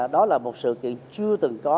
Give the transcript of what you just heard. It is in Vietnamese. đó là một sự kiện chưa từng có